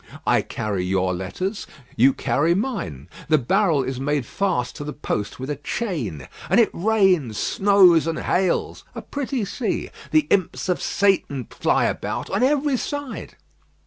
I carry your letters; you carry mine. The barrel is made fast to the post with a chain. And it rains, snows and hails! A pretty sea. The imps of Satan fly about on every side.